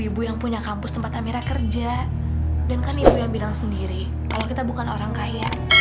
ibu gak apa apa kan bu kalau amerah tinggal